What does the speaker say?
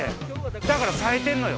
だからさえてんのよ